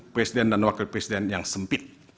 presiden dan wakil presiden yang sempit